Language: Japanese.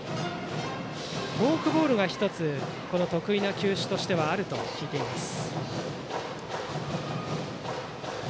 フォークボールが１つ得意な球種としてはあると聞いています。